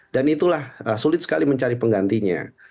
dan itulah sulit sekali mencari penggantinya